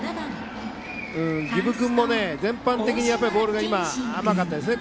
儀部君も全般的にボールが甘かったですね。